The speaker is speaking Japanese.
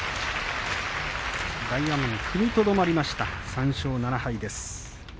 大奄美、踏みとどまりました３勝７敗です。